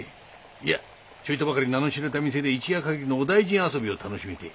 いやちょいとばかり名の知れた店で一夜限りのお大尽遊びを楽しみてえ。